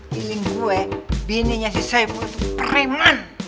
piling gue bininya si saifah tuh periman